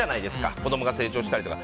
子供が成長したりとか。